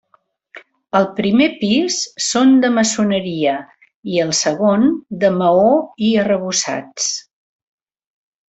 Al primer pis són de maçoneria i al segon de maó i arrebossats.